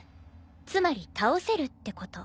つまり倒せるってこと。